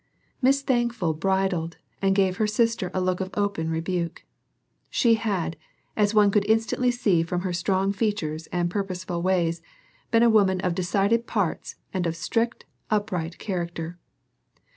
Miss Thankful bridled and gave her sister a look of open rebuke. She had, as one could instantly see from her strong features and purposeful ways, been a woman of decided parts and of strict, upright character.